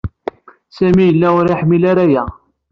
Sami yella ur iḥemmel ara aya.